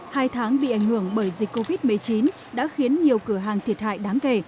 hai tháng bị ảnh hưởng bởi dịch covid một mươi chín đã khiến nhiều cửa hàng thiệt hại đáng kể